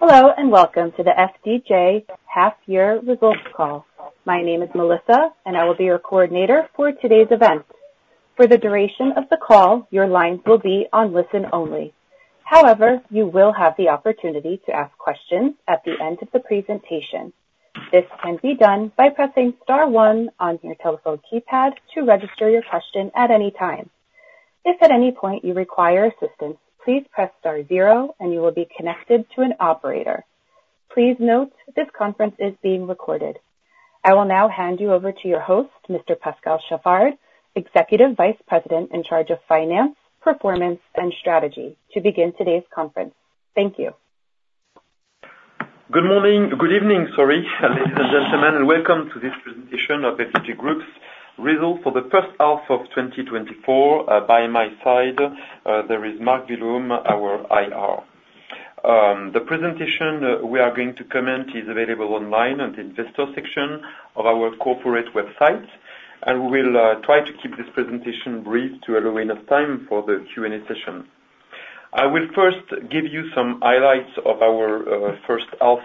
Hello, and welcome to the FDJ half-year results call. My name is Melissa, and I will be your coordinator for today's event. For the duration of the call, your lines will be on listen-only. However, you will have the opportunity to ask questions at the end of the presentation. This can be done by pressing star one on your telephone keypad to register your question at any time. If at any point you require assistance, please press star zero, and you will be connected to an operator. Please note, this conference is being recorded. I will now hand you over to your host, Mr. Pascal Chaffard, Executive Vice President in charge of Finance, Performance, and Strategy, to begin today's conference. Thank you. Good morning. Good evening, sorry, ladies and gentlemen, and welcome to this presentation of FDJ Group's results for the first half of 2024. By my side, there is Marc Willaume, our IR. The presentation we are going to comment is available online on the investor section of our corporate website, and we'll try to keep this presentation brief to allow enough time for the Q&A session. I will first give you some highlights of our first half,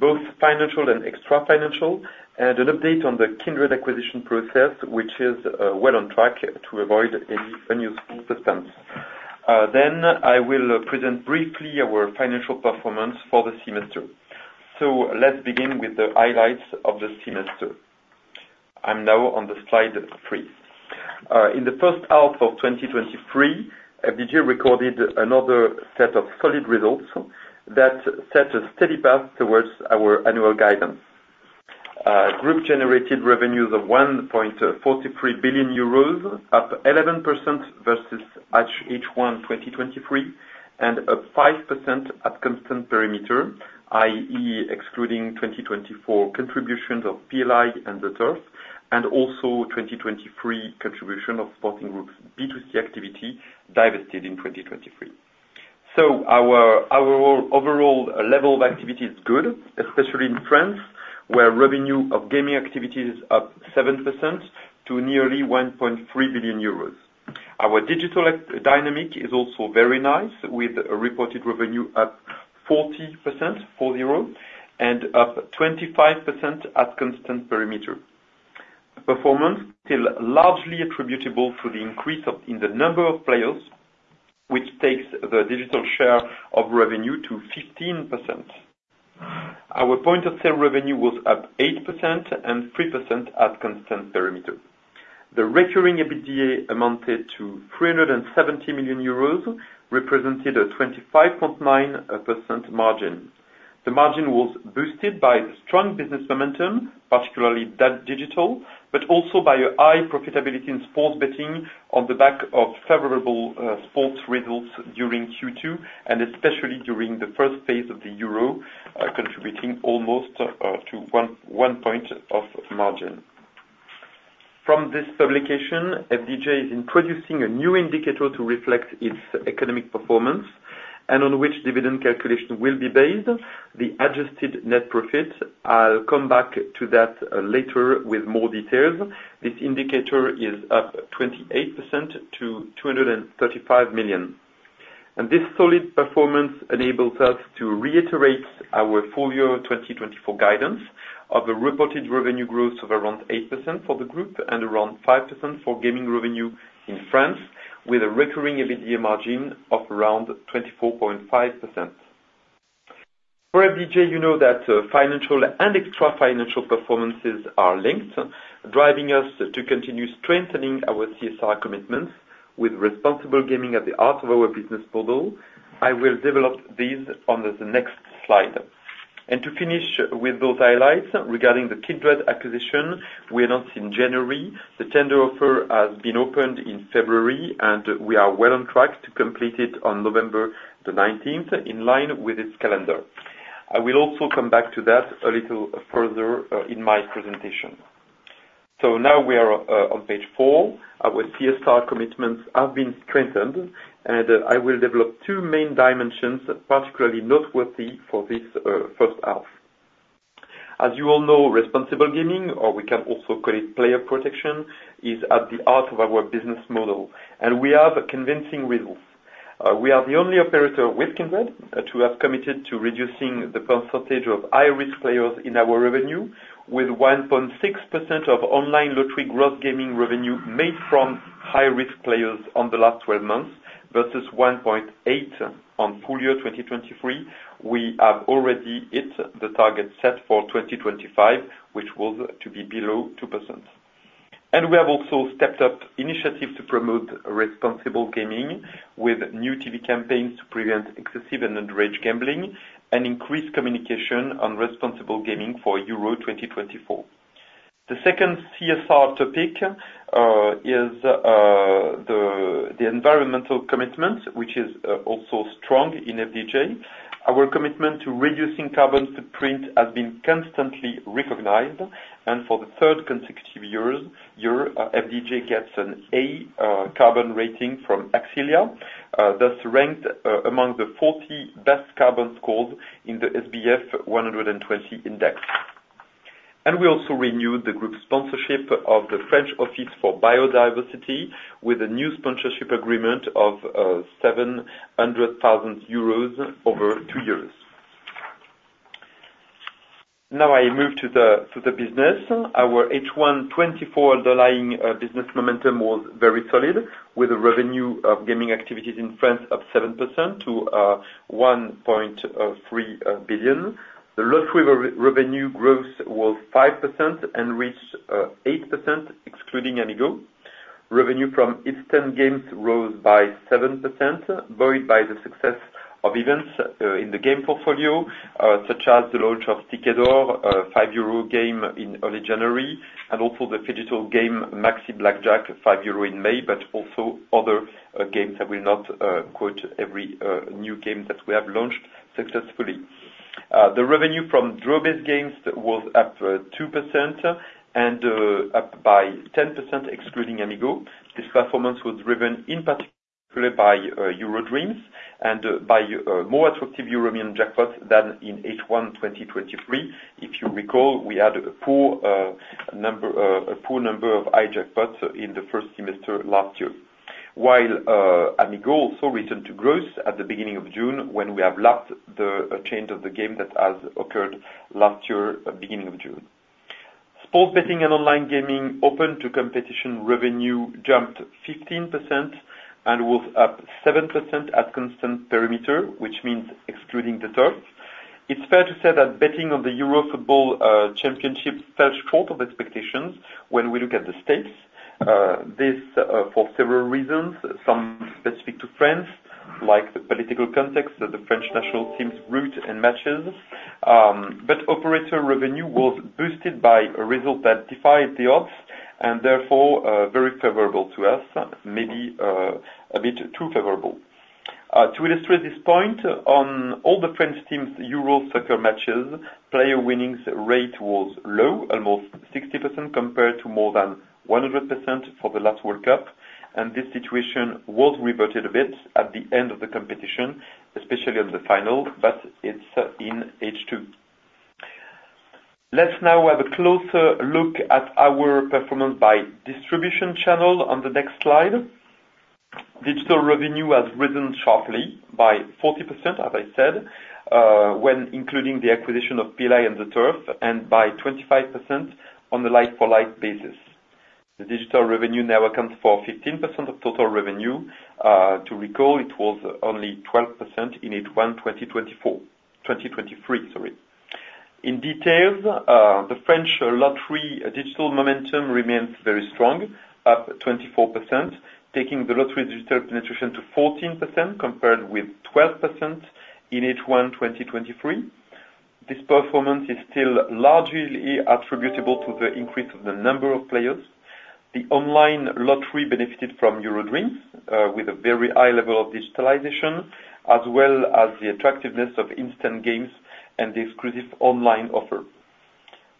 both financial and extra-financial, and an update on the Kindred acquisition process, which is well on track to avoid any unforeseen suspense. Then I will present briefly our financial performance for the semester. So let's begin with the highlights of the semester. I'm now on the slide 3. In the first half of 2023, FDJ recorded another set of solid results that set a steady path towards our annual guidance. Group generated revenues of 1.43 billion euros, up 11% versus H1 2023, and up 5% at constant perimeter, i.e., excluding 2024 contributions of PLI and ZEturf, and also 2023 contribution of Sporting Group's B2C activity divested in 2023. So our, our overall level of activity is good, especially in France, where revenue of gaming activity is up 7% to nearly 1.3 billion euros. Our digital dynamic is also very nice, with a reported revenue up 40%, 40, and up 25% at constant perimeter. Performance still largely attributable to the increase of, in the number of players, which takes the digital share of revenue to 15%. Our point of sale revenue was up 8% and 3% at constant perimeter. The recurring EBITDA amounted to 370 million euros, represented a 25.9% margin. The margin was boosted by strong business momentum, particularly that digital, but also by a high profitability in sports betting on the back of favorable sports results during Q2, and especially during the first phase of the Euro, contributing almost to one point of margin. From this publication, FDJ is introducing a new indicator to reflect its economic performance and on which dividend calculation will be based, the adjusted net profit. I'll come back to that later with more details. This indicator is up 28% to 235 million. This solid performance enables us to reiterate our full year 2024 guidance of a reported revenue growth of around 8% for the group and around 5% for gaming revenue in France, with a recurring EBITDA margin of around 24.5%. For FDJ, you know that financial and extra-financial performances are linked, driving us to continue strengthening our CSR commitments with responsible gaming at the heart of our business model. I will develop these on the next slide. And to finish with those highlights, regarding the Kindred acquisition we announced in January, the tender offer has been opened in February, and we are well on track to complete it on November 19th, in line with its calendar. I will also come back to that a little further in my presentation. Now we are on page four. Our CSR commitments have been strengthened, and I will develop two main dimensions, particularly noteworthy for this first half. As you all know, responsible gaming, or we can also call it player protection, is at the heart of our business model, and we have a convincing result. We are the only operator with Kindred to have committed to reducing the percentage of high-risk players in our revenue, with 1.6% of online lottery gross gaming revenue made from high-risk players on the last twelve months versus 1.8% on full year 2023. We have already hit the target set for 2025, which was to be below 2%. And we have also stepped up initiative to promote responsible gaming with new TV campaigns to prevent excessive and underage gambling and increase communication on responsible gaming for Euro 2024. The second CSR topic is the environmental commitment, which is also strong in FDJ. Our commitment to reducing carbon footprint has been constantly recognized, and for the third consecutive year, FDJ gets an A carbon rating from Axylia, thus ranked among the 40 best carbon scores in the SBF 120 index. We also renewed the group's sponsorship of the French Office for Biodiversity, with a new sponsorship agreement of 700,000 euros over two years. Now I move to the business. Our H1 2024 underlying business momentum was very solid, with a revenue of gaming activities in France of 7% to 1.3 billion. The lottery revenue growth was 5% and reached 8% excluding Amigo. Revenue from instant games rose by 7%, buoyed by the success of events in the game portfolio, such as the launch of Ticket d'Or, a 5 euro game in early January, and also the digital game Maxi Blackjack, a 5 euro in May, but also other games. I will not quote every new game that we have launched successfully. The revenue from draw-based games was up 2% and up by 10% excluding Amigo. This performance was driven in particular by EuroDreams and by more attractive European jackpots than in H1 2023. If you recall, we had a poor number, a poor number of high jackpots in the first semester last year. While Amigo also returned to growth at the beginning of June, when we have lacked the change of the game that has occurred last year, beginning of June. Sports betting and online gaming open to competition revenue jumped 15% and was up 7% at constant perimeter, which means excluding ZEturf. It's fair to say that betting on the Euro Football Championship fell short of expectations when we look at the stakes. This for several reasons, some specific to France, like the political context of the French national team's route and matches. But operator revenue was boosted by a result that defied the odds and therefore very favorable to us, maybe a bit too favorable. To illustrate this point, on all the French team's Euro soccer matches, player winnings rate was low, almost 60%, compared to more than 100% for the last World Cup, and this situation was reverted a bit at the end of the competition, especially on the final, but it's in H2. Let's now have a closer look at our performance by distribution channel on the next slide. Digital revenue has risen sharply by 40%, as I said, when including the acquisition of PLI and ZEturf, and by 25% on a like-for-like basis. The digital revenue now accounts for 15% of total revenue. To recall, it was only 12% in H1 2023. In detail, the French lottery digital momentum remains very strong, up 24%, taking the lottery digital penetration to 14% compared with 12% in H1 2023. This performance is still largely attributable to the increase of the number of players. The online lottery benefited from EuroDreams, with a very high level of digitalization, as well as the attractiveness of instant games and the exclusive online offer.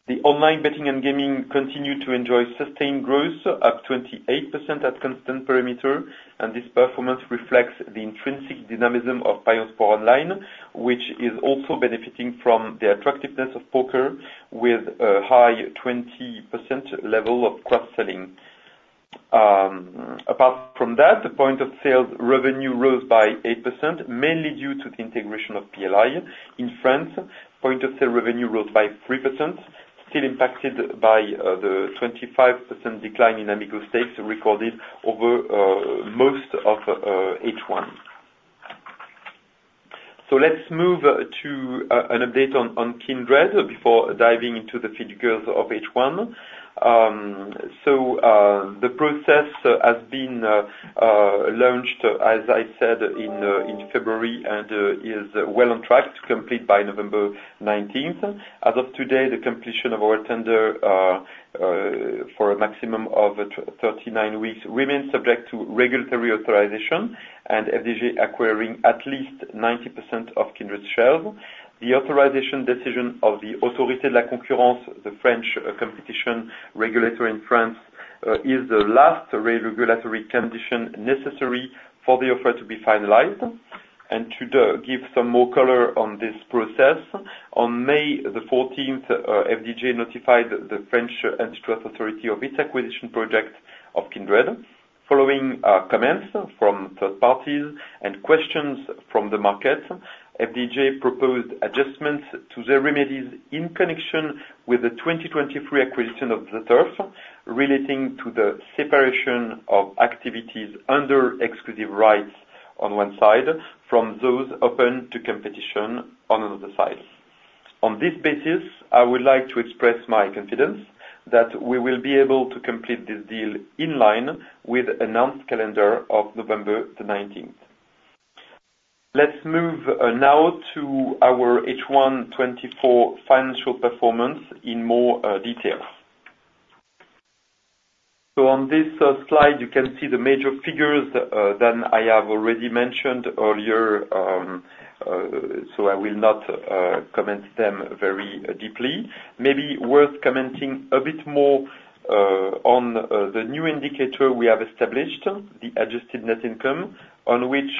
The online betting and gaming continued to enjoy sustained growth, up 28% at constant perimeter, and this performance reflects the intrinsic dynamism of ParionsSport Online, which is also benefiting from the attractiveness of poker with a high 20% level of cross-selling. Apart from that, the point of sale revenue rose by 8%, mainly due to the integration of PLI. In France, point of sale revenue rose by 3%, still impacted by the 25% decline in Amigo stakes recorded over most of H1. So let's move to an update on Kindred before diving into the figures of H1. So, the process has been launched, as I said, in February and is well on track to complete by November nineteenth. As of today, the completion of our tender for a maximum of 39 weeks remains subject to regulatory authorization and FDJ acquiring at least 90% of Kindred shares. The authorization decision of the Autorité de la Concurrence, the French competition regulator in France, is the last regulatory condition necessary for the offer to be finalized. And to give some more color on this process, on May 14, FDJ notified the French Antitrust Authority of its acquisition project of Kindred. Following comments from third parties and questions from the market, FDJ proposed adjustments to the remedies in connection with the 2023 acquisition of ZEturf, relating to the separation of activities under exclusive rights on one side, from those open to competition on another side. On this basis, I would like to express my confidence that we will be able to complete this deal in line with announced calendar of November 19. Let's move now to our H1 2024 financial performance in more detail. So on this slide, you can see the major figures that I have already mentioned earlier, so I will not comment them very deeply. Maybe worth commenting a bit more-... On the new indicator we have established, the adjusted net income, on which,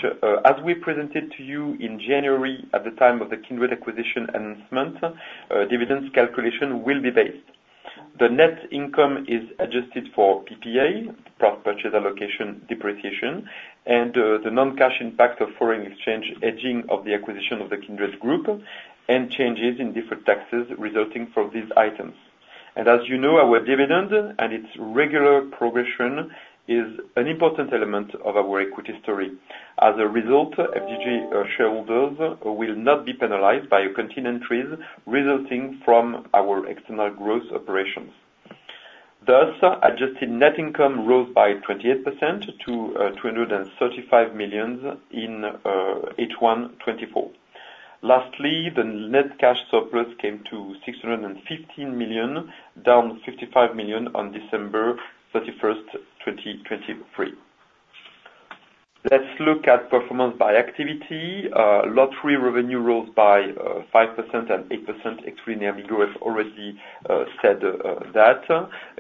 as we presented to you in January at the time of the Kindred Group acquisition announcement, dividends calculation will be based. The net income is adjusted for PPA, purchase price allocation depreciation, and the non-cash impact of foreign exchange hedging of the acquisition of the Kindred Group, and changes in different taxes resulting from these items. And as you know, our dividend and its regular progression is an important element of our equity story. As a result, FDJ shareholders will not be penalized by continuing entries resulting from our external growth operations. Thus, adjusted net income rose by 28% to 235 million in H1 2024. Lastly, the net cash surplus came to 615 million, down 55 million on December 31, 2023. Let's look at performance by activity. Lottery revenue rose by 5% and 8%, excluding Amigo, as already said.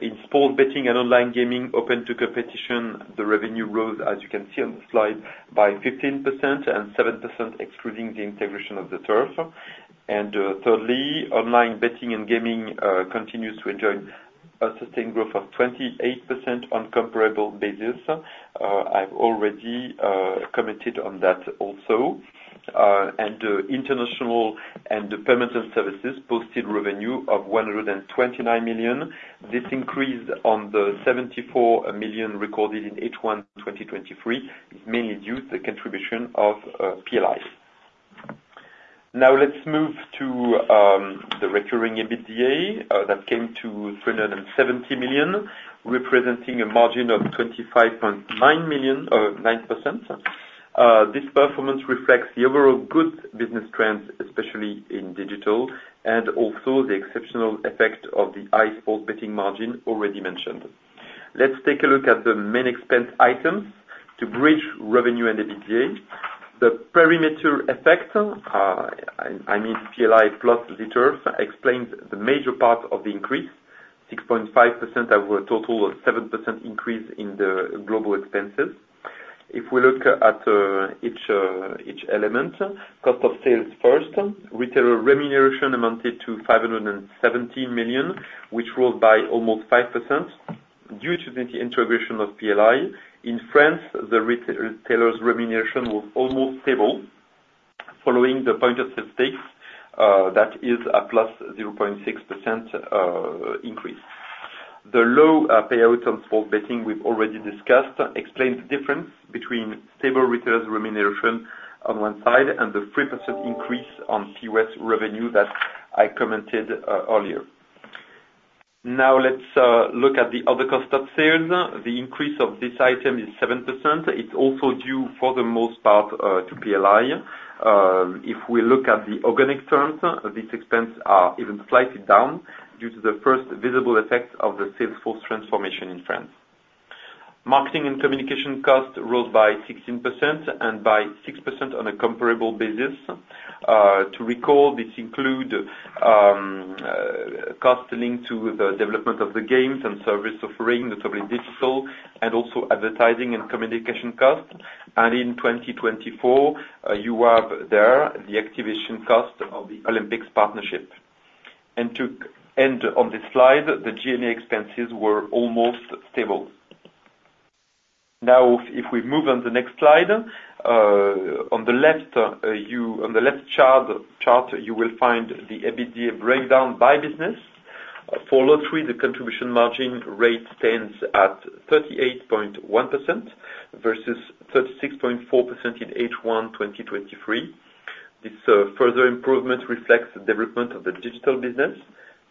In sports betting and online gaming open to competition, the revenue rose, as you can see on the slide, by 15% and 7%, excluding the integration of ZEturf. Thirdly, online betting and gaming continues to enjoy a sustained growth of 28% on comparable basis. I've already commented on that also. International and the payment services posted revenue of 129 million. This increased on the 74 million recorded in H1 2023, is mainly due to the contribution of PLI. Now, let's move to the recurring EBITDA that came to 370 million, representing a margin of 25.9 million, 9%. This performance reflects the overall good business trends, especially in digital, and also the exceptional effect of the high sports betting margin already mentioned. Let's take a look at the main expense items to bridge revenue and EBITDA. The perimeter effect, I mean, PLI plus ZEturf, explains the major part of the increase, 6.5% of a total of 7% increase in the global expenses. If we look at each element, cost of sales first, retailer remuneration amounted to 570 million, which rose by almost 5% due to the integration of PLI. In France, the retailer's remuneration was almost stable following the point of sale takes, that is a +0.6%, increase. The low payout on sports betting we've already discussed explains the difference between stable retailers' remuneration on one side, and the 3% increase on GGR that I commented earlier. Now, let's look at the other cost of sales. The increase of this item is 7%. It's also due, for the most part, to PLI. If we look at the organic terms, these expenses are even slightly down due to the first visible effect of the sales force transformation in France. Marketing and communication costs rose by 16%, and by 6% on a comparable basis. To recall, this include costs linked to the development of the games and service offering, notably digital, and also advertising and communication costs. And in 2024, you have there the activation cost of the Olympics partnership. To end on this slide, the G&A expenses were almost stable. Now, if we move on to the next slide, on the left chart, you will find the EBITDA breakdown by business. For lottery, the contribution margin rate stands at 38.1% versus 36.4% in H1 2023. This further improvement reflects the development of the digital business.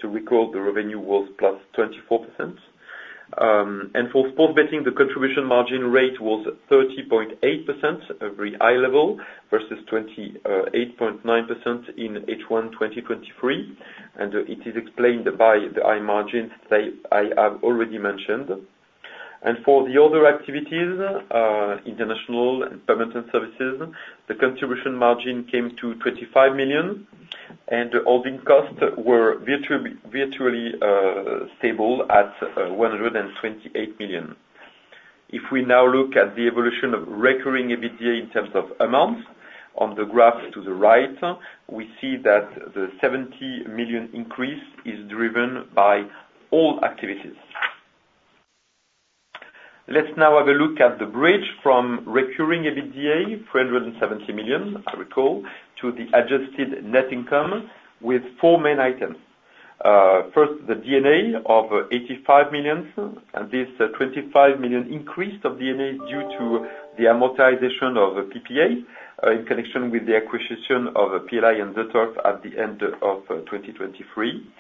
To recall, the revenue was +24%. And for sport betting, the contribution margin rate was 30.8%, a very high level, versus 28.9% in H1 2023, and it is explained by the high margins that I have already mentioned. For the other activities, international and permanent services, the contribution margin came to 25 million, and the holding costs were virtually stable at 128 million. If we now look at the evolution of Recurring EBITDA in terms of amounts, on the graph to the right, we see that the 70 million increase is driven by all activities. Let's now have a look at the bridge from Recurring EBITDA, 470 million, I recall, to the Adjusted Net Income with four main items. First, the D&A of 85 million, and this 25 million increase of D&A is due to the amortization of the PPA in connection with the acquisition of PLI and ZEturf at the end of 2023.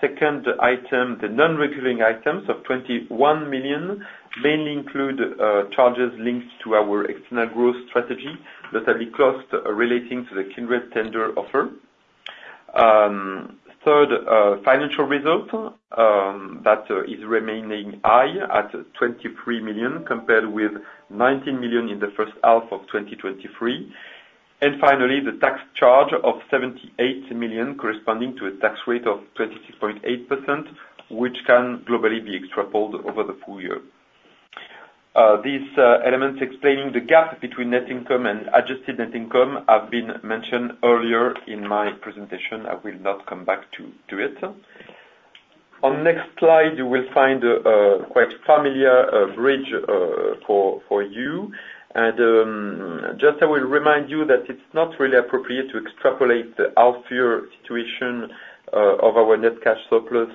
Second item, the non-recurring items of 21 million mainly include, charges linked to our external growth strategy, notably costs relating to the Kindred tender offer. Third, financial result, that is remaining high at 23 million, compared with 19 million in the first half of 2023. And finally, the tax charge of 78 million, corresponding to a tax rate of 26.8%, which can globally be extrapolated over the full year. These, elements explaining the gap between net income and adjusted net income have been mentioned earlier in my presentation. I will not come back to it. On next slide, you will find, quite familiar, bridge for you. Just, I will remind you that it's not really appropriate to extrapolate the half year situation of our net cash surplus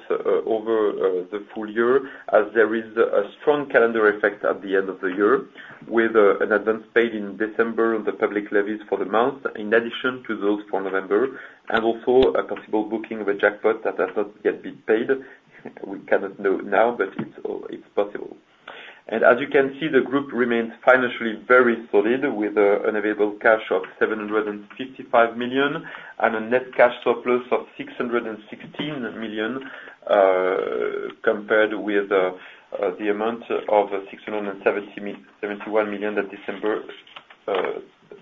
over the full year, as there is a strong calendar effect at the end of the year, with an advance paid in December on the public levies for the month, in addition to those for November, and also a possible booking of a jackpot that has not yet been paid. We cannot know now, but it's possible. And as you can see, the group remains financially very solid, with an available cash of 755 million, and a net cash surplus of 616 million, compared with the amount of 671 million at December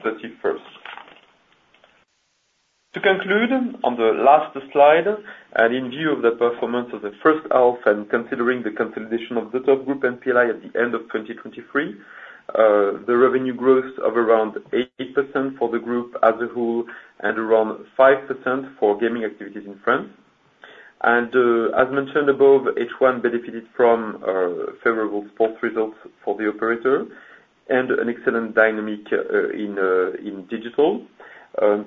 31. To conclude, on the last slide, and in view of the performance of the first half, and considering the consolidation of the PLI group at the end of 2023, the revenue growth of around 8% for the group as a whole, and around 5% for gaming activities in France. As mentioned above, H1 benefited from favorable sports results for the operator, and an excellent dynamic in digital.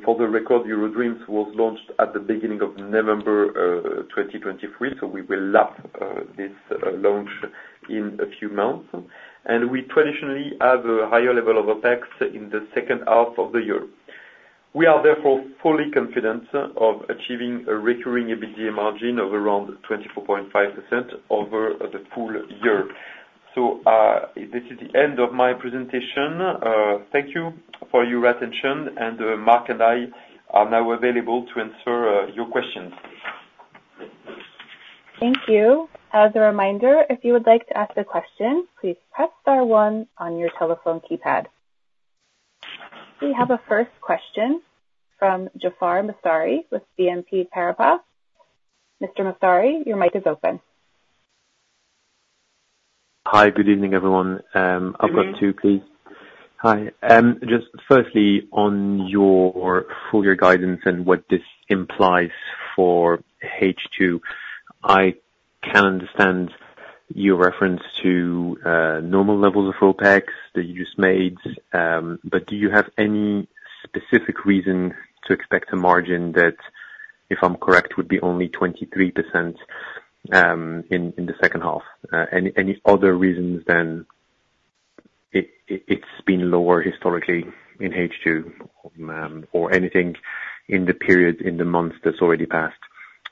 For the record, EuroDreams was launched at the beginning of November 2023, so we will lap this launch in a few months. We traditionally have a higher level of OpEx in the second half of the year. We are therefore fully confident of achieving a recurring EBITDA margin of around 24.5% over the full year. So, this is the end of my presentation. Thank you for your attention, and Marc and I are now available to answer your questions. Thank you. As a reminder, if you would like to ask a question, please press star one on your telephone keypad. We have a first question from Jaafar Mestari with BNP Paribas. Mr. Mestari, your mic is open. Hi, good evening, everyone. I've got two, please. Good evening. Hi. Just firstly, on your full year guidance and what this implies for H2, I can understand your reference to normal levels of OpEx that you just made, but do you have any specific reason to expect a margin that, if I'm correct, would be only 23% in the second half? Any other reasons than it's been lower historically in H2, or anything in the period, in the months that's already passed,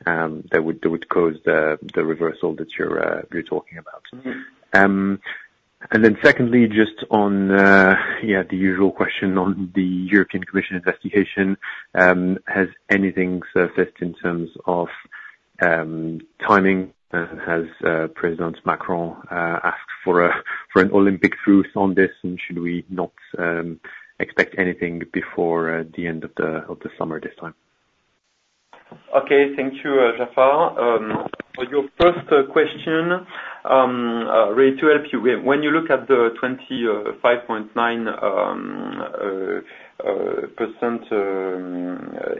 that would cause the reversal that you're talking about? And then secondly, just on yeah, the usual question on the European Commission investigation, has anything surfaced in terms of timing? Has President Macron asked for an Olympic truce on this? And should we not expect anything before the end of the summer this time? Okay. Thank you, Jaafar. For your first question, really to help you, when you look at the 25.9%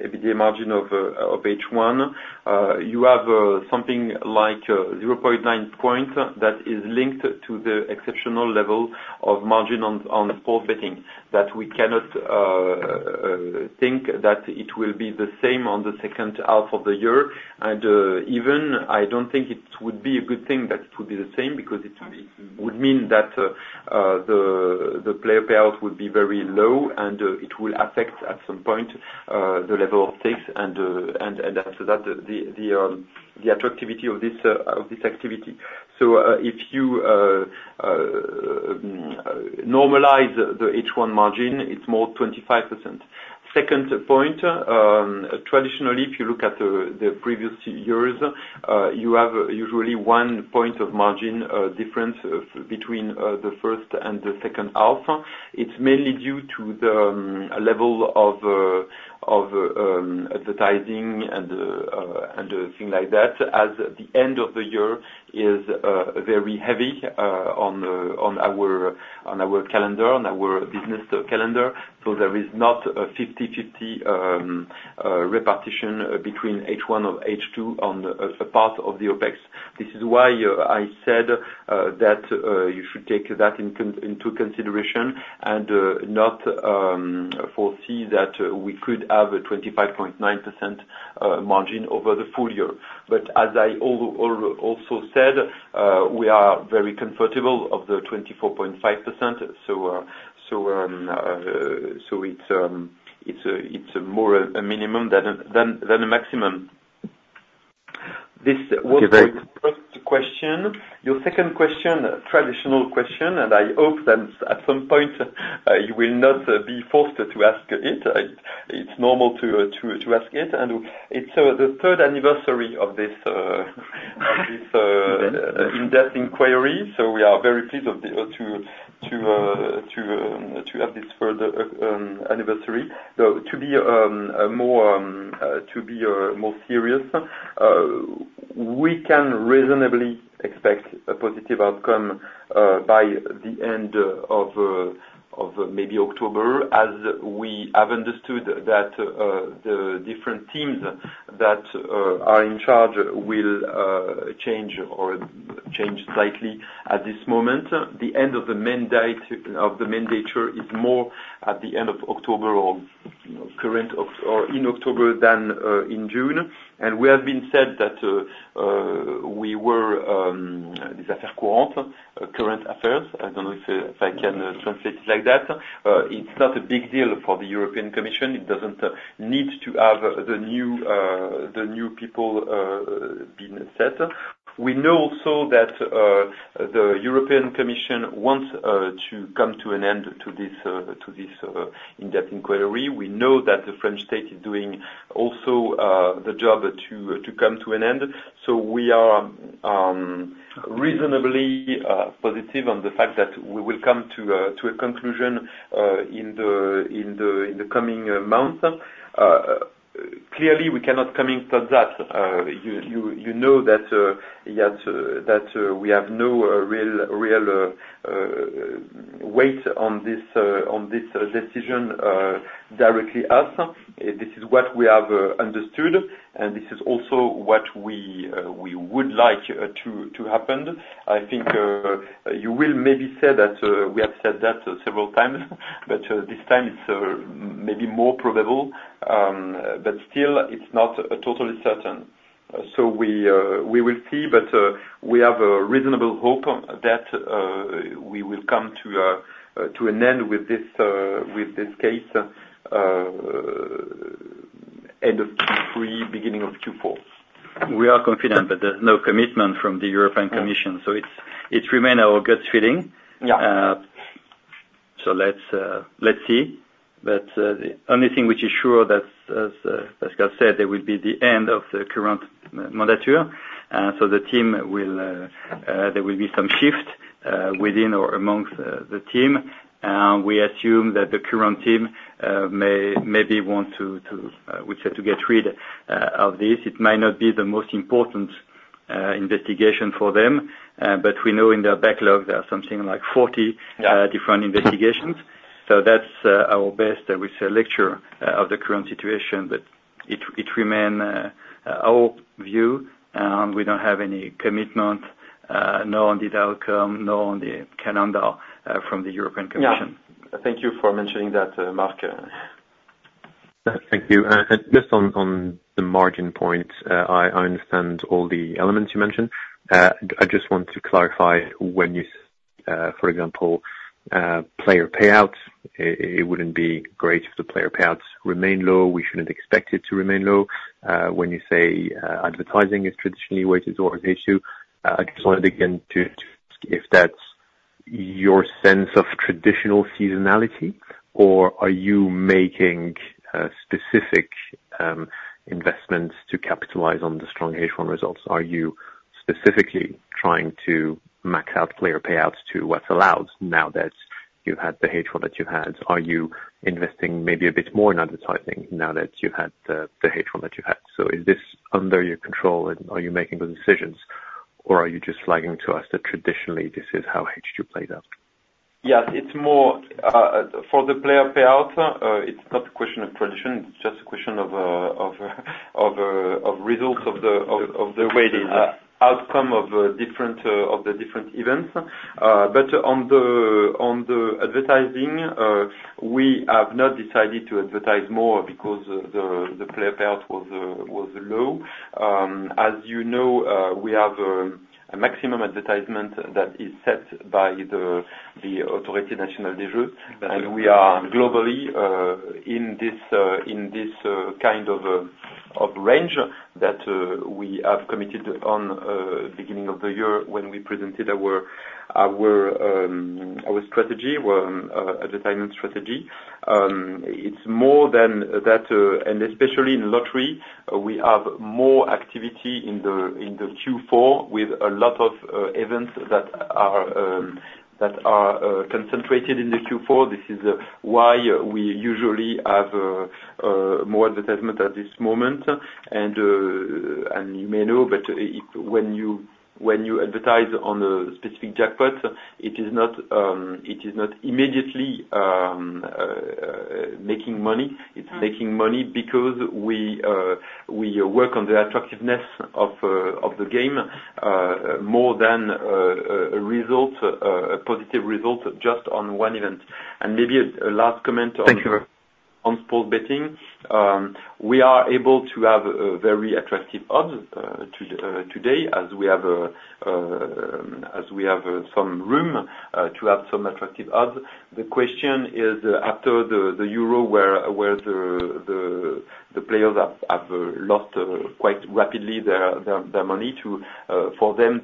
EBITDA margin of H1, you have something like 0.9 points that is linked to the exceptional level of margin on sports betting, that we cannot think that it will be the same on the second half of the year. And even I don't think it would be a good thing that it would be the same, because it would mean that the player payout would be very low, and it will affect, at some point, the level of stakes, and after that, the attractivity of this activity. So, if you normalize the H1 margin, it's more 25%. Second point, traditionally, if you look at the previous years, you have usually 1 point of margin difference between the first and the second half. It's mainly due to the level of advertising and things like that, as the end of the year is very heavy on our calendar, on our business calendar, so there is not a 50/50 repetition between H1 and H2 on the part of the OpEx. This is why I said that you should take that into consideration, and not foresee that we could have a 25.9% margin over the full year. But as I also said, we are very comfortable of the 24.5%, so it's more a minimum than a maximum. This was- Okay... the first question. Your second question, a traditional question, and I hope that at some point you will not be forced to ask it... it's normal to ask it, and it's the third anniversary of this in-depth inquiry, so we are very pleased to have this further anniversary. So to be more serious, we can reasonably expect a positive outcome by the end of maybe October, as we have understood that the different teams that are in charge will change or change slightly at this moment. The end of the mandate is more at the end of October or in October than in June. And we have been said that we were current affairs. I don't know if I can translate it like that. It's not a big deal for the European Commission. It doesn't need to have the new people being set. We know also that the European Commission wants to come to an end to this in-depth inquiry. We know that the French state is doing also the job to come to an end. So we are reasonably positive on the fact that we will come to a conclusion in the coming months. Clearly, we cannot commit to that. You know that, yeah, that we have no real weight on this decision directly us. This is what we have understood, and this is also what we would like to happen. I think you will maybe say that we have said that several times, but this time it's maybe more probable, but still it's not totally certain. So we will see, but we have a reasonable hope that we will come to an end with this case end of Q3, beginning of Q4. We are confident, but there's no commitment from the European Commission, so it remains our gut feeling. Yeah. So let's see. But the only thing which is sure, that as Pascal said, it will be the end of the current mandate. So the team will, there will be some shift within or amongst the team. And we assume that the current team may want to, we said, to get rid of this. It might not be the most important investigation for them, but we know in their backlog, there are something like 40- Yeah... different investigations. So that's our best assessment of the current situation, but it remains our view, and we don't have any commitment nor on this outcome nor on the calendar from the European Commission. Yeah. Thank you for mentioning that, Marc. Thank you. And just on the margin point, I understand all the elements you mentioned. I just want to clarify when you, for example, player payouts, it wouldn't be great if the player payouts remain low. We shouldn't expect it to remain low. When you say, advertising is traditionally where it is always an issue, I just wanted again to if that's your sense of traditional seasonality, or are you making specific investments to capitalize on the strong H1 results? Are you specifically trying to max out player payouts to what's allowed now that you've had the H1 that you had? Are you investing maybe a bit more in advertising now that you've had the H1 that you had? Is this under your control, and are you making those decisions, or are you just flagging to us that traditionally this is how H2 played out? Yes, it's more for the player payout. It's not a question of tradition; it's just a question of results, of the- Of the way it is. ... outcome of the different events. But on the advertising, we have not decided to advertise more because the player payout was low. As you know, we have a maximum advertisement that is set by the Autorité Nationale Mm-hmm... and we are globally in this kind of range that we have committed on beginning of the year when we presented our our strategy advertisement strategy. It's more than that, and especially in lottery, we have more activity in the Q4 with a lot of events that are concentrated in the Q4. This is why we usually have more advertisement at this moment. And you may know, but when you advertise on a specific jackpot, it is not immediately making money. Mm-hmm. It's making money because we work on the attractiveness of the game more than a result, a positive result just on one event. And maybe a last comment on- Thank you... on sports betting. We are able to have a very attractive odds today, as we have some room to have some attractive odds. The question is after the Euro, where the players have lost quite rapidly their money too, for them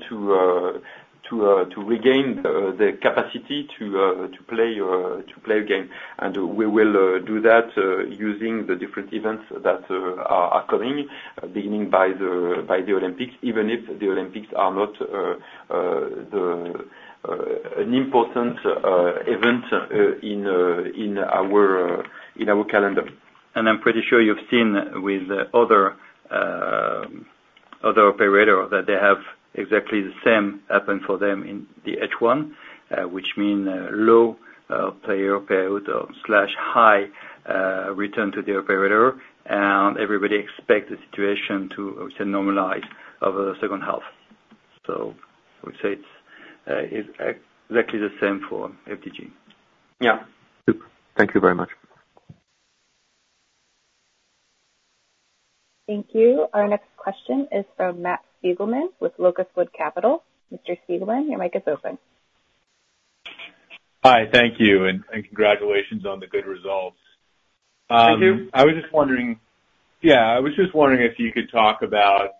to regain the capacity to play again. And we will do that using the different events that are coming, beginning by the Olympics, even if the Olympics are not an important event in our calendar. I'm pretty sure you've seen with other operator that they have exactly the same happen for them in the H1, which mean low player payout/high return to the operator, and everybody expect the situation to normalize over the second half. So I would say it's exactly the same for FDJ. Yeah. Thank you very much. Thank you. Our next question is from Matt Siegelman with Locust Wood Capital. Mr. Siegelman, your mic is open. Hi, thank you and congratulations on the good results. Thank you. I was just wondering... Yeah, I was just wondering if you could talk about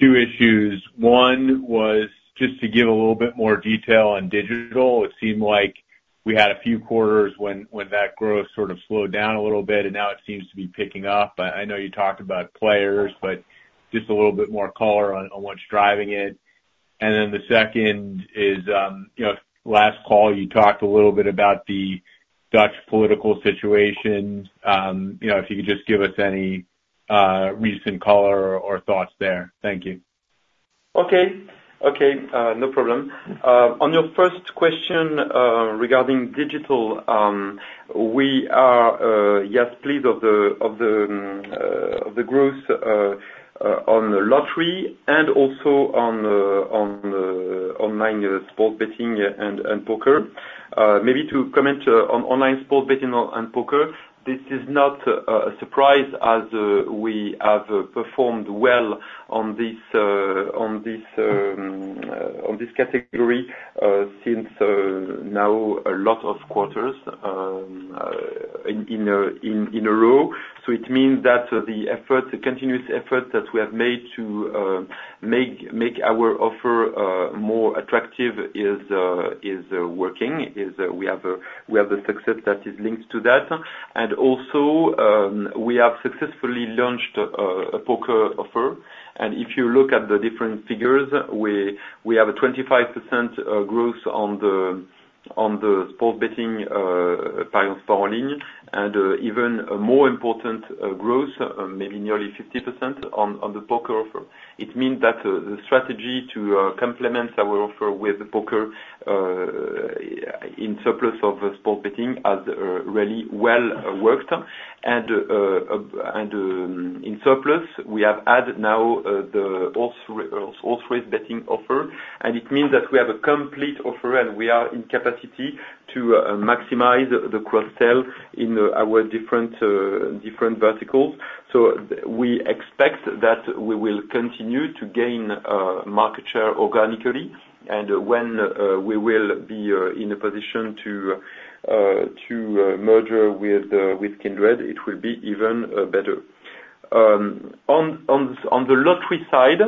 two issues. One was just to give a little bit more detail on digital. It seemed like we had a few quarters when that growth sort of slowed down a little bit, and now it seems to be picking up. I know you talked about players, but just a little bit more color on what's driving it. And then the second is, you know, last call you talked a little bit about the Dutch political situation. You know, if you could just give us any recent color or thoughts there. Thank you. Okay. Okay, no problem. On your first question, regarding digital, we are, yes, pleased of the, of the, of the growth, on the lottery and also on, on the online sports betting and, and poker. Maybe to comment, on online sports betting and, and poker, this is not, a surprise, as, we have performed well on this, on this, on this category, since, now a lot of quarters, in, in, in, in a row. So it means that the effort, the continuous effort that we have made to, make our offer, more attractive is, is, working, is, we have a, we have a success that is linked to that. And also, we have successfully launched, a poker offer. And if you look at the different figures, we have a 25% growth on the sports betting online, and even a more important growth, maybe nearly 50%, on the poker offer. It means that the strategy to complement our offer with poker in addition to sports betting has really well worked. And in addition, we have added now the horse-race betting offer, and it means that we have a complete offer and we are in capacity to maximize the cross-sell in our different verticals. So we expect that we will continue to gain market share organically, and when we will be in a position to merge with Kindred, it will be even better. On the lottery side,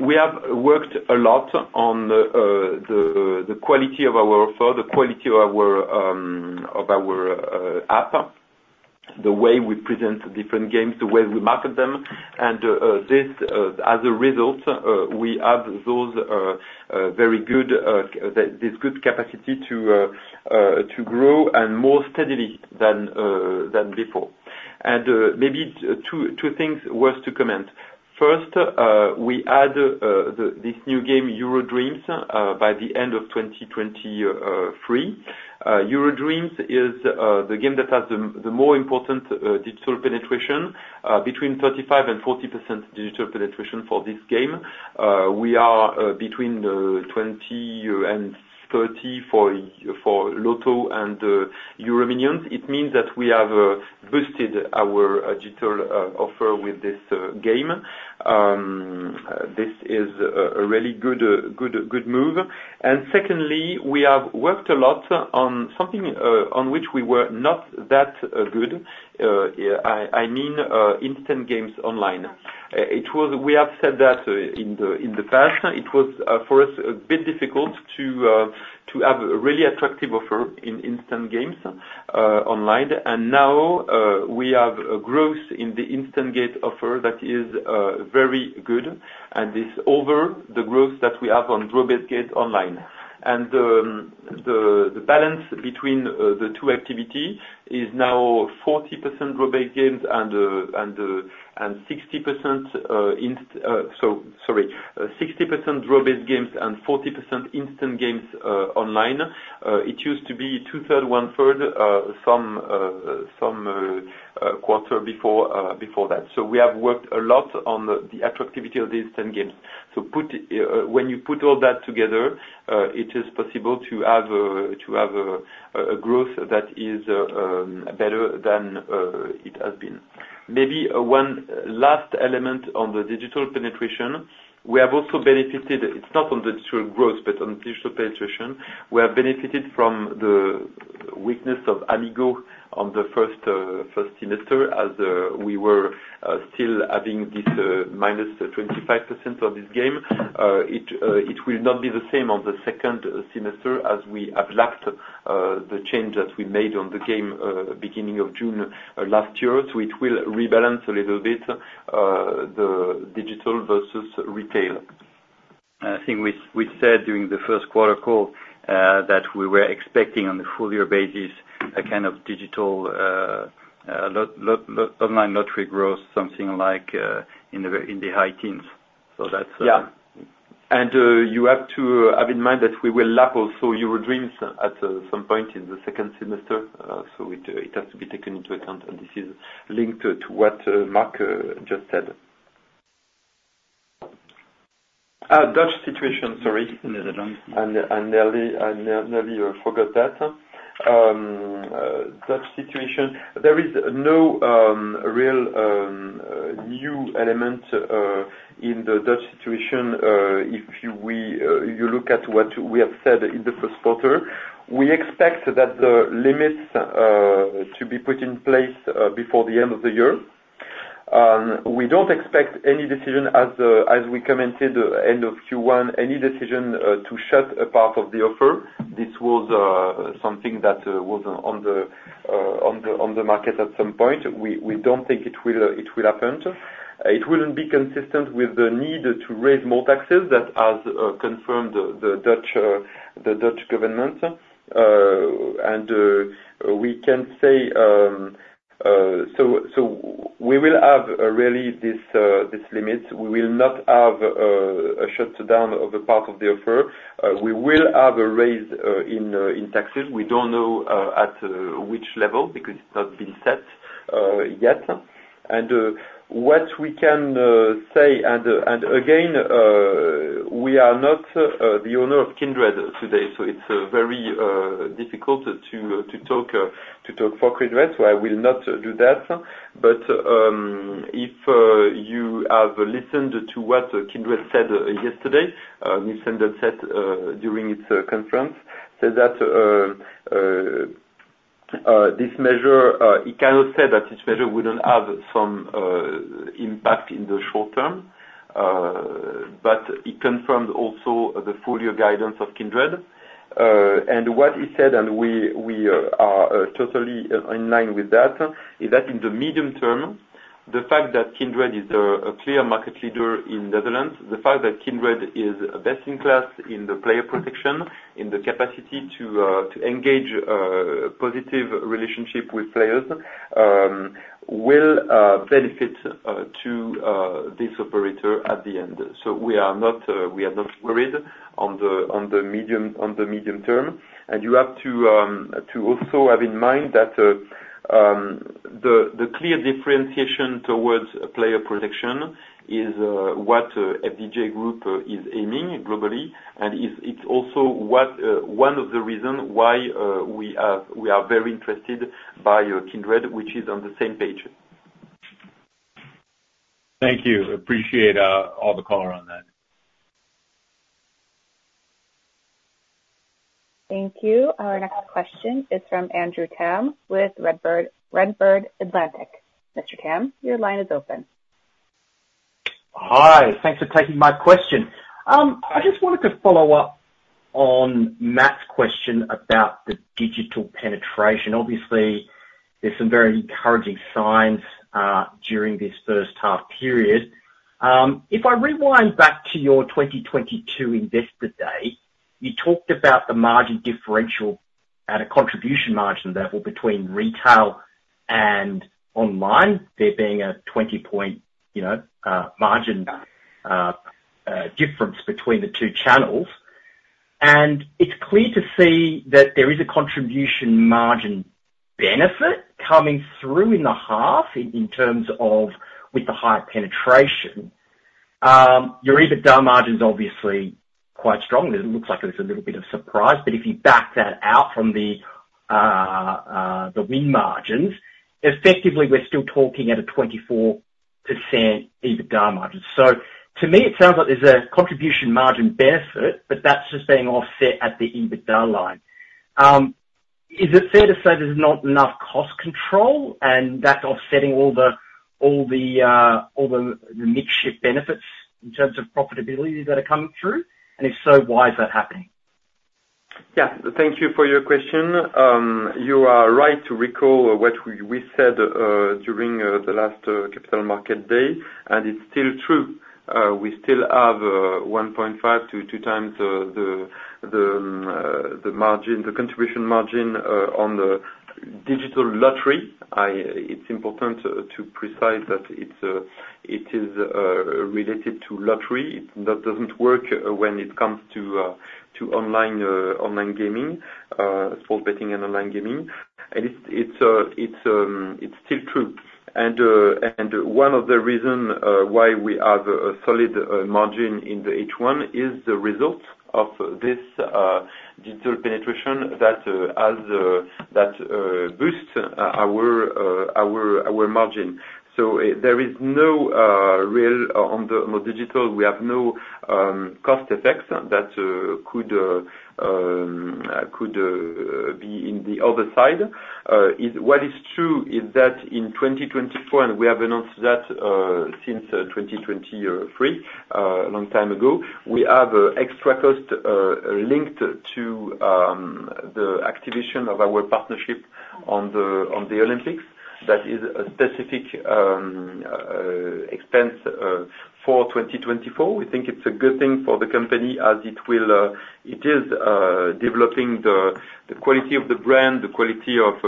we have worked a lot on the quality of our offer, the quality of our app, the way we present different games, the way we market them. And, as a result, we have those very good, this good capacity to grow and more steadily than before. And, maybe two things worth to comment. First, we add the this new game, EuroDreams, by the end of 2023. EuroDreams is the game that has the more important digital penetration, between 35% and 40% digital penetration for this game. We are between 20 and 30 for loto and EuroMillions. It means that we have boosted our digital offer with this game. This is a really good, good move. And secondly, we have worked a lot on something on which we were not that good. I mean instant games online. We have said that in the past, it was for us a bit difficult to have a really attractive offer in instant games online. And now we have a growth in the instant game offer that is very good, and it's over the growth that we have on draw-based games online. The balance between the two activities is now 40% draw-based games and 60% instant games online. Sorry, 60% draw-based games and 40% instant games online. It used to be two-thirds, one-third, some, some, quarter before, before that. So we have worked a lot on the attractiveness of the instant games. So when you put all that together, it is possible to have a growth that is better than it has been. Maybe one last element on the digital penetration, we have also benefited. It's not on the digital growth, but on digital penetration, we have benefited from the-... Weakness of Amigo on the first semester as we were still having this minus 25% of this game. It will not be the same on the second semester as we have lacked the change that we made on the game beginning of June last year. So it will rebalance a little bit the digital versus retail. I think we said during the first quarter call that we were expecting on the full year basis a kind of digital online lottery growth something like in the high teens. So that's- Yeah. And you have to have in mind that we will lack also EuroDreams at some point in the second semester. So it has to be taken into account, and this is linked to what Marc just said. Dutch situation, sorry. Netherlands. I nearly forgot that. Dutch situation, there is no real new element in the Dutch situation. If you look at what we have said in the first quarter, we expect that the limits to be put in place before the end of the year. We don't expect any decision as we commented end of Q1, any decision to shut a part of the offer. This was something that was on the market at some point. We don't think it will happen. It wouldn't be consistent with the need to raise more taxes that has confirmed the Dutch government. And we can say... So we will have really this limit. We will not have a shutdown of the part of the offer. We will have a raise in taxes. We don't know at which level because it's not been set yet. And what we can say, and again, we are not the owner of Kindred today, so it's very difficult to talk for Kindred, so I will not do that. But if you have listened to what Kindred said yesterday, Nils Andén said during its conference that this measure, he cannot say that this measure wouldn't have some impact in the short term, but he confirmed also the full year guidance of Kindred. And what he said, and we are totally in line with that, is that in the medium term, the fact that Kindred is a clear market leader in Netherlands, the fact that Kindred is best in class in the player protection, in the capacity to engage positive relationship with players, will benefit to this operator at the end. So we are not worried on the medium term. And you have to also have in mind that the clear differentiation towards player protection is what FDJ Group is aiming globally, and it's also what one of the reasons why we are very interested by Kindred, which is on the same page. Thank you. Appreciate, all the color on that. Thank you. Our next question is from Andrew Tam with Redburn Atlantic. Mr. Tam, your line is open. Hi, thanks for taking my question. I just wanted to follow up on Matt's question about the digital penetration. Obviously, there's some very encouraging signs during this first half period. If I rewind back to your 2022 investor day, you talked about the margin differential at a contribution margin level between retail and online, there being a 20-point, you know, margin difference between the two channels. And it's clear to see that there is a contribution margin benefit coming through in the half in terms of with the higher penetration. Your EBITDA margin is obviously quite strong. It looks like there's a little bit of surprise, but if you back that out from the win margins, effectively, we're still talking at a 24% EBITDA margin. So to me, it sounds like there's a contribution margin benefit, but that's just being offset at the EBITDA line. Is it fair to say there's not enough cost control, and that's offsetting all the mix shift benefits in terms of profitability that are coming through? And if so, why is that happening? Yeah, thank you for your question. You are right to recall what we said during the last capital market day, and it's still true. We still have 1.5 to 2 times the contribution margin on the digital lottery. It's important to precise that it's related to lottery. That doesn't work when it comes to online gaming, sport betting and online gaming. And it's still true. And one of the reason why we have a solid margin in the H1 is the result of this digital penetration that boosts our margin. So there is no real... On the more digital, we have no cost effects that could be in the other side. What is true is that in 2024, and we have announced that since 2023, a long time ago. We have extra cost linked to the activation of our partnership on the Olympics. That is a specific expense for 2024. We think it's a good thing for the company as it will, it is, developing the quality of the brand, the quality of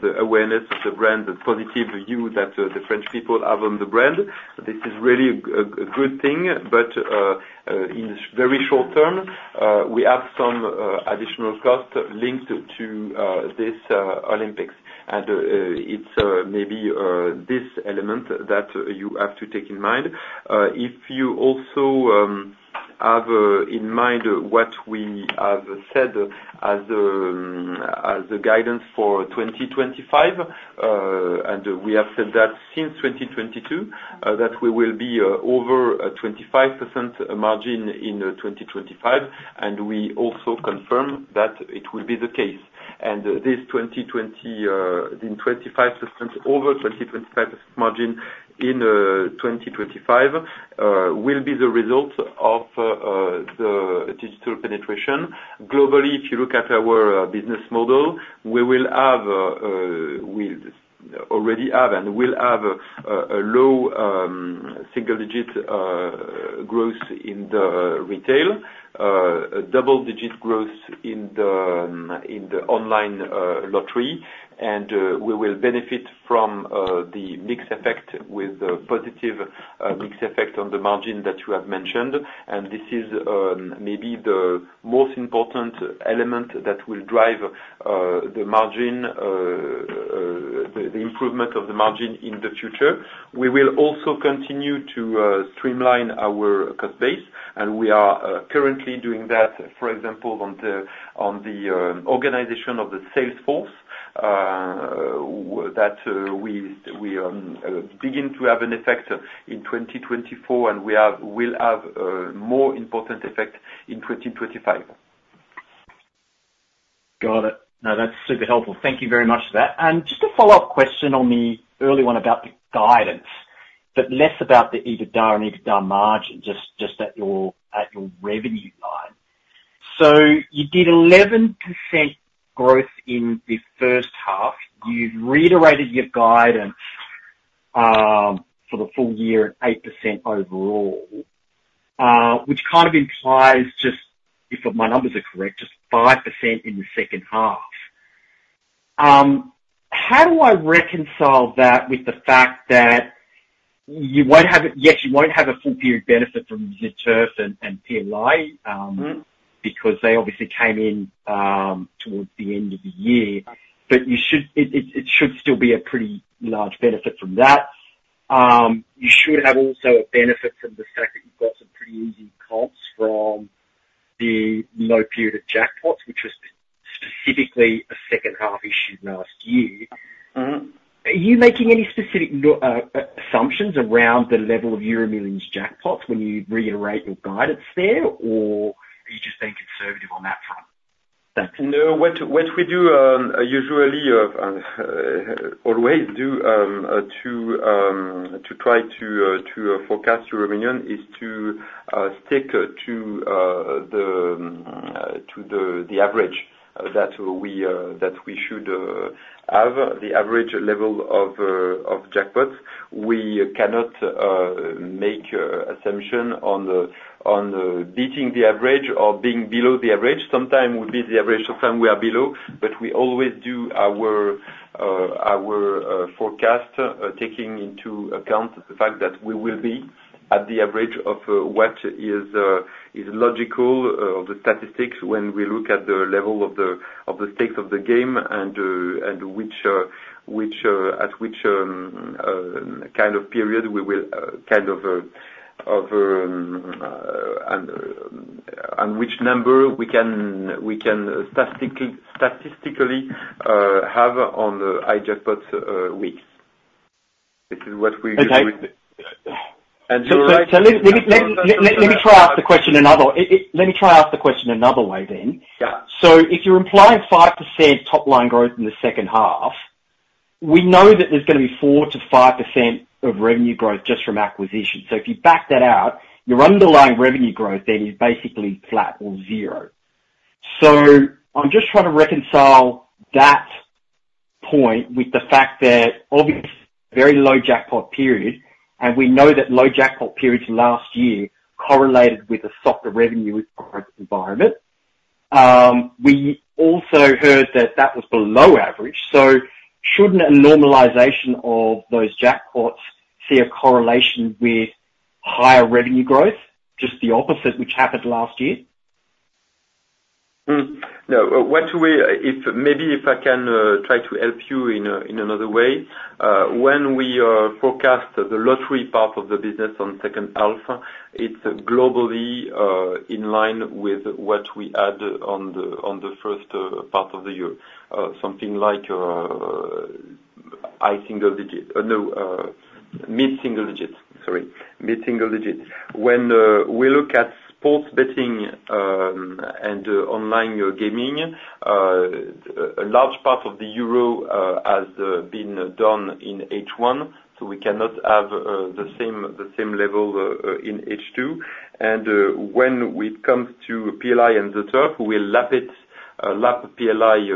the awareness of the brand, the positive view that the French people have on the brand. This is really a good thing, but in very short term, we have some additional costs linked to this Olympics. It's maybe this element that you have to take in mind. If you also have in mind what we have said as the guidance for 2025, and we have said that since 2022, that we will be over a 25% margin in 2025, and we also confirm that it will be the case. This 25%, over 25% margin in 2025, will be the result of the digital penetration. Globally, if you look at our business model, we already have and will have a low single digit growth in the retail, a double-digit growth in the online lottery, and we will benefit from the mix effect with the positive mix effect on the margin that you have mentioned. And this is maybe the most important element that will drive the margin, the improvement of the margin in the future. We will also continue to streamline our cost base, and we are currently doing that, for example, on the organization of the sales force that we begin to have an effect in 2024, and we will have more important effect in 2025. Got it. Now, that's super helpful. Thank you very much for that. Just a follow-up question on the early one about the guidance, but less about the EBITDA and EBITDA margin, just at your revenue line. So you did 11% growth in the first half. You've reiterated your guidance for the full year at 8% overall, which kind of implies, just if my numbers are correct, just 5% in the second half. How do I reconcile that with the fact that you won't have a full period benefit from ZEturf and PLI? Mm-hmm. Because they obviously came in towards the end of the year, but you should, it should still be a pretty large benefit from that. You should have also a benefit from the fact that you've got some pretty easy comps from the low period of jackpots, which was specifically a second half issue last year. Are you making any specific assumptions around the level of EuroMillions jackpots when you reiterate your guidance there, or are you just being conservative on that front? Thanks. No, what we do usually and always do to try to forecast EuroMillions is to stick to the average that we should have, the average level of jackpots. We cannot make assumption on beating the average or being below the average. Sometimes we beat the average, sometimes we are below, but we always do our forecast, taking into account the fact that we will be at the average of what is logical of the statistics when we look at the level of the stakes of the game and which at which kind of period we will kind of and which number we can statistically have on the high jackpots weeks. This is what we do- Okay. You're right- Let me try to ask the question another way then. Yeah. So if you're implying 5% top line growth in the second half, we know that there's gonna be 4%-5% of revenue growth just from acquisition. So if you back that out, your underlying revenue growth then is basically flat or zero. So I'm just trying to reconcile that point with the fact that, obvious, very low jackpot period, and we know that low jackpot periods last year correlated with a softer revenue growth environment. We also heard that that was below average, so shouldn't a normalization of those jackpots see a correlation with higher revenue growth, just the opposite, which happened last year? No, maybe if I can try to help you in another way, when we forecast the lottery part of the business on second half, it's globally in line with what we had on the first part of the year. Something like high single digit. No, mid single digits, sorry, mid single digits. When we look at sports betting and online gaming, a large part of the growth has been done in H1, so we cannot have the same level in H2. And when it comes to PLI and ZEturf, we'll lap it, lap PLI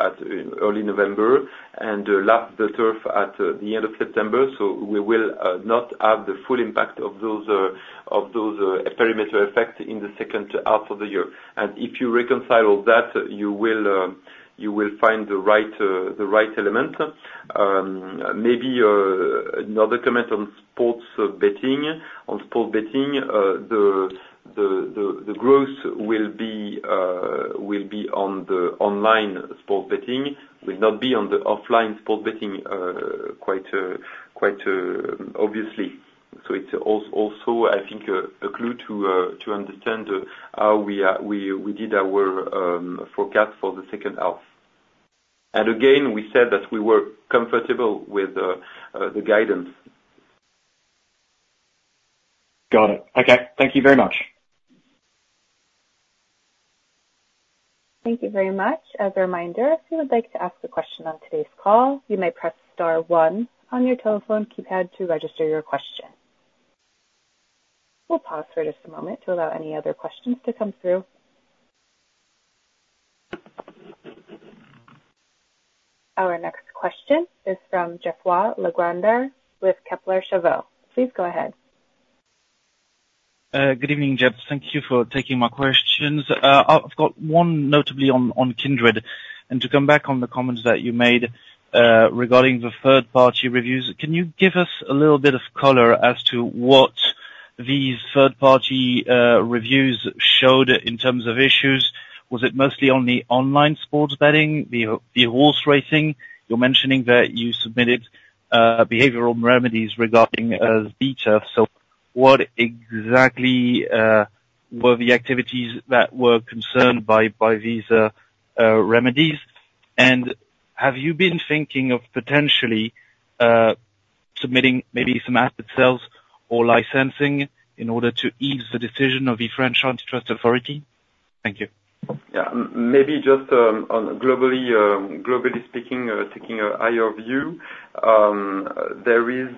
at early November and lap ZEturf at the end of September. So we will not have the full impact of those perimeter effect in the second half of the year. And if you reconcile all that, you will find the right element. Maybe another comment on sports betting. On sports betting, the growth will be on the online sports betting, will not be on the offline sports betting, quite obviously. So it's also, I think, a clue to understand how we did our forecast for the second half. And again, we said that we were comfortable with the guidance. Got it. Okay, thank you very much. Thank you very much. As a reminder, if you would like to ask a question on today's call, you may press star one on your telephone keypad to register your question. We'll pause for just a moment to allow any other questions to come through. Our next question is from Geoffroy de La Grandière with Kepler Cheuvreux. Please go ahead. Good evening, gents. Thank you for taking my questions. I've got one notably on Kindred, and to come back on the comments that you made regarding the third-party reviews. Can you give us a little bit of color as to what these third-party reviews showed in terms of issues? Was it mostly on the online sports betting, the horse racing? You're mentioning that you submitted behavioral remedies regarding ZEturf. So what exactly were the activities that were concerned by these remedies? And have you been thinking of potentially submitting maybe some asset sales or licensing in order to ease the decision of the French Antitrust Authority? Thank you. Yeah. Maybe just, on globally, globally speaking, taking a higher view, there is,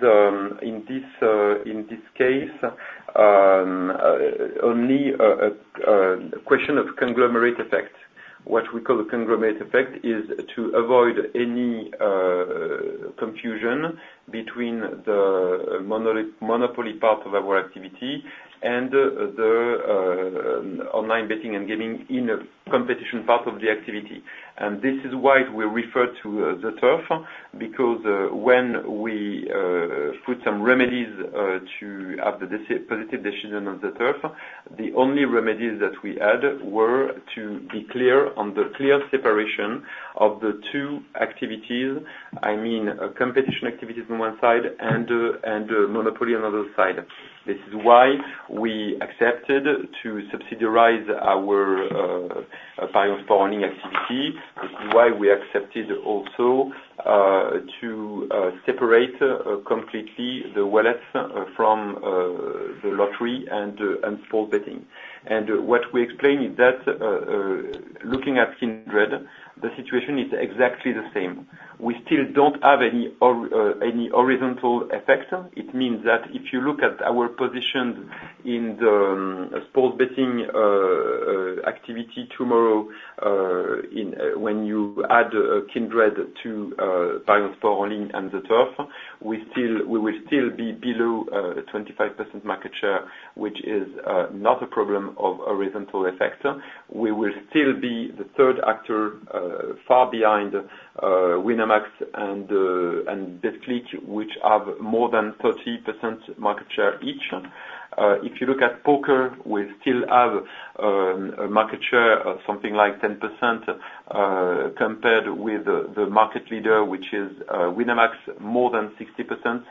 in this, in this case, only a question of conglomerate effect. What we call a conglomerate effect is to avoid any confusion between the monopoly part of our activity and the online betting and gaming in a competition part of the activity. And this is why we refer to ZEturf, because when we put some remedies to have the decisive positive decision on ZEturf, the only remedies that we had were to be clear on the clear separation of the two activities. I mean, competition activities on one side and monopoly on the other side. This is why we accepted to subsidize our ParionsSport activity. This is why we accepted also to separate completely the wallets from the lottery and sports betting. And what we explain is that looking at Kindred, the situation is exactly the same. We still don't have any horizontal effect. It means that if you look at our position in the sports betting activity tomorrow in when you add Kindred to ParionsSport and ZEturf, we still- we will still be below 25% market share, which is not a problem of horizontal effect. We will still be the third actor far behind Winamax and Betclic, which have more than 30% market share each. If you look at poker, we still have a market share of something like 10%, compared with the market leader, which is Winamax, more than 60%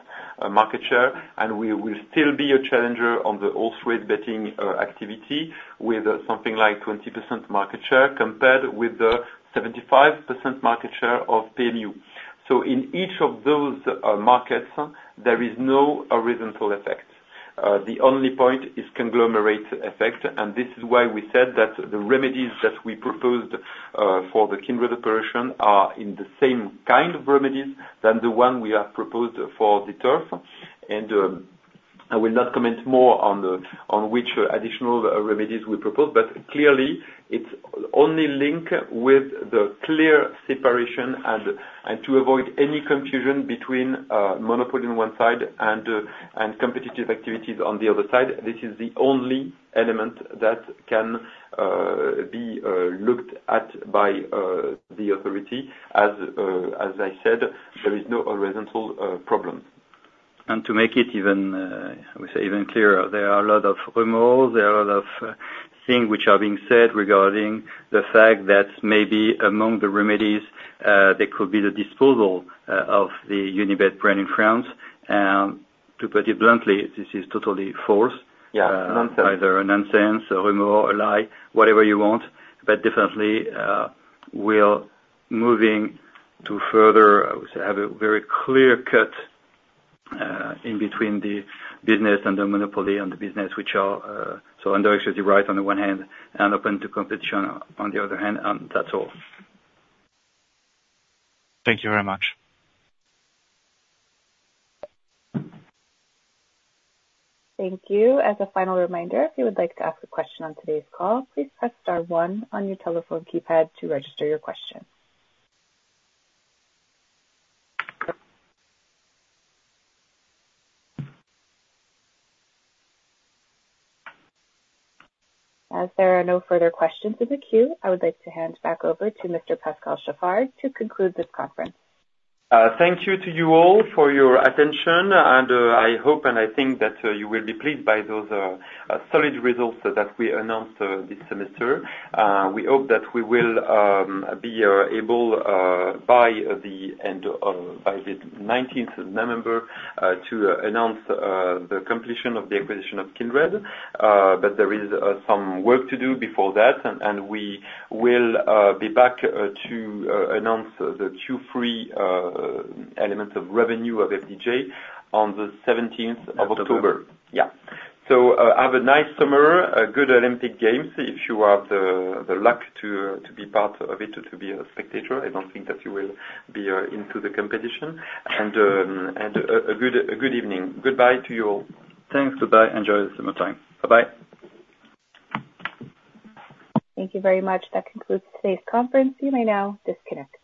market share. And we will still be a challenger on the horse race betting activity, with something like 20% market share, compared with the 75% market share of PMU. So in each of those markets, there is no horizontal effect. The only point is conglomerate effect, and this is why we said that the remedies that we proposed for the Kindred operation are in the same kind of remedies than the one we have proposed for ZEturf. I will not comment more on which additional remedies we propose, but clearly it's only link with the clear separation and to avoid any confusion between monopoly on one side and competitive activities on the other side. This is the only element that can be looked at by the authority. As I said, there is no horizontal problem. To make it even, I would say even clearer, there are a lot of rumors, there are a lot of things which are being said regarding the fact that maybe among the remedies, there could be the disposal of the Unibet brand in France. To put it bluntly, this is totally false. Yeah, nonsense. Either a nonsense, a rumor, a lie, whatever you want, but definitely, we are moving to further, I would say, have a very clear cut, in between the business and the monopoly, and the business which are, so under exclusive right on the one hand, and open to competition on the other hand, and that's all. Thank you very much. Thank you. As a final reminder, if you would like to ask a question on today's call, please press star one on your telephone keypad to register your question. As there are no further questions in the queue, I would like to hand back over to Mr. Pascal Chaffard to conclude this conference. Thank you to you all for your attention, and I hope and I think that you will be pleased by those solid results that we announced this semester. We hope that we will be able by the end of... By the nineteenth November to announce the completion of the acquisition of Kindred. But there is some work to do before that, and we will be back to announce the Q3 elements of revenue of FDJ on the seventeenth of October. October. Yeah. So, have a nice summer, a good Olympic Games, if you have the luck to be part of it, to be a spectator. I don't think that you will be into the competition. And a good evening. Goodbye to you all. Thanks. Goodbye. Enjoy the summertime. Bye-bye. Thank you very much. That concludes today's conference. You may now disconnect.